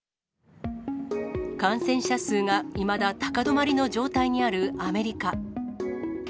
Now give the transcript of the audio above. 感染者数がいまだ高止まりの状態にあるアメリカ。